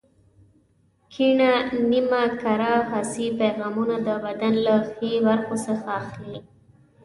کیڼه نیمه کره حسي پیغامونه د بدن له ښي برخو څخه اخلي.